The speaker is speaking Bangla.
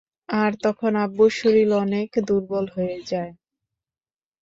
আর তখন আব্বুর শরীর অনেক দূর্বল হয়ে যায়।